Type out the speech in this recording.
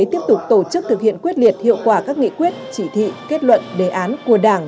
tiếp tục tổ chức thực hiện quyết liệt hiệu quả các nghị quyết chỉ thị kết luận đề án của đảng